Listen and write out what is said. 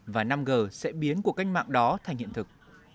và năm g sẽ biến cuộc cách mạng đó thành hiện thực